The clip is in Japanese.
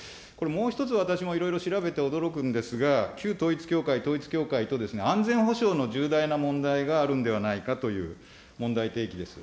そして次ですね、これ、もう１つ、私も調べて驚くんですが、旧統一教会、統一教会と安全保障の重大な問題があるんではないかという問題提起です。